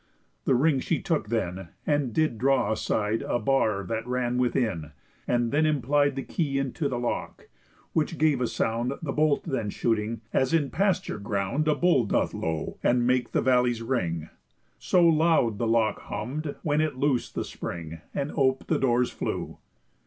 The ring she took then, and did draw aside A bar that ran within, and then implied The key into the lock, which gave a sound, The bolt then shooting, as in pasture ground A bull doth low, and make the valleys ring; So loud the lock humm'd when it loos'd the spring, And ope the doors flew.